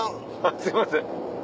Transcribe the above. すいません。